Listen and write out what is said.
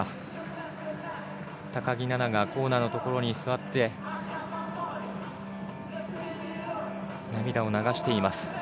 高木菜那がコーナーのところに座って涙を流しています。